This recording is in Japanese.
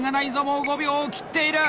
もう５秒を切っている。